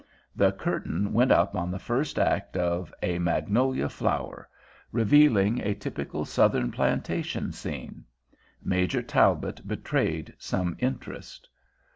The curtain went up on the first act of A Magnolia Flower, revealing a typical Southern plantation scene. Major Talbot betrayed some interest.